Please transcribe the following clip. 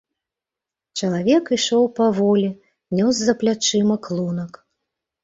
Чалавек ішоў паволі, нёс за плячыма клунак.